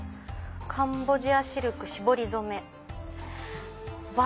カンボジアシルク絞り染め。